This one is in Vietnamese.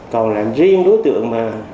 còn là riêng đối tượng